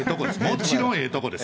もちろんええとこです。